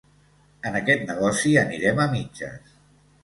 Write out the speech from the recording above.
En aquest negoci, anirem a mitges.